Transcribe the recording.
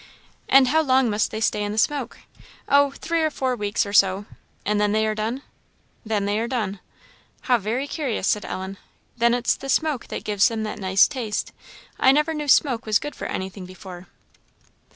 "And how long must they stay in the smoke?" "Oh, three or four weeks or so." "And then they are done?" "Then they are done." "How very curious?" said Ellen. "Then it's the smoke that gives them that nice taste? I never knew smoke was good for anything before."